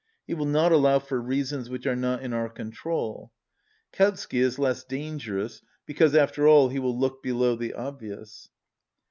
He will not allow for reasons which are not in our control. Kautsky is less dangerous, be cause, after all, he will look below the obvious."